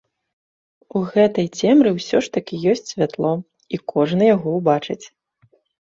У гэтай цемры ўсё ж такі ёсць святло, і кожны яго ўбачыць.